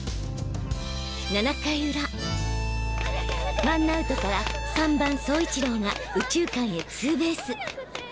７回裏ワンアウトから３番走一郎が右中間へツーベース！